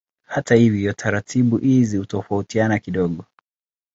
Hata hivyo taratibu hizi hutofautiana kidogo.